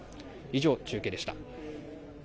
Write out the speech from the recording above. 以上、中継でした。